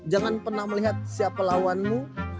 jangan pernah melihat siapa lawanmu